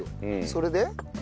それで。